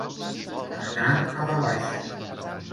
Anar a la baixa.